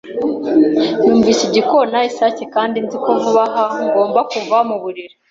Numvise igikona isake kandi nzi ko vuba aha ngomba kuva muburiri.